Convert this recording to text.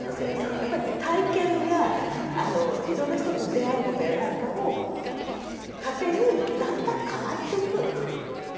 やっぱり体験やいろんな人と出会うことやなんかを糧にだんだん変わっていく。